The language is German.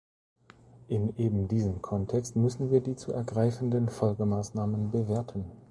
In eben diesem Kontext müssen wir die zu ergreifenden Folgemaßnahmen bewerten.